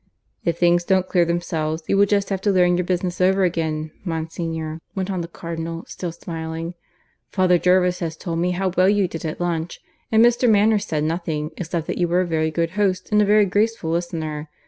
"If things don't clear themselves, you will just have to learn your business over again, Monsignor," went on the Cardinal, still smiling. "Father Jervis has told me how well you did at lunch; and Mr. Manners said nothing, except that you were a very good host and a very graceful listener.